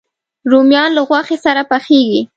رومیان له غوښې سره پخېږي